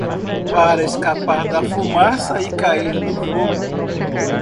Para escapar da fumaça? e cair no fogo.